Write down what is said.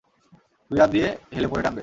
দুই হাত দিয়ে হেলে পড়ে টানবে।